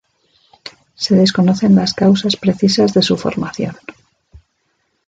Se desconocen las causa precisas de su formación.